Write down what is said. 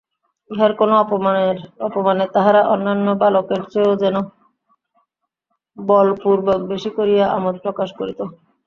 ইহার কোনো অপমানে তাহারা অন্যান্য বালকের চেয়েও যেন বলপূর্বক বেশি করিয়া আমোদ প্রকাশ করিত।